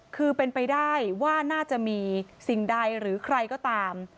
คือเป็นไปได้ว่าน่าจะมีสิ่งใดหรือใครก็ตาม